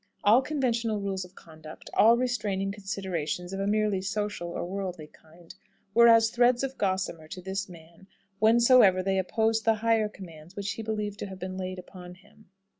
All conventional rules of conduct, all restraining considerations of a merely social or worldly kind, were as threads of gossamer to this man whensoever they opposed the higher commands which he believed to have been laid upon him.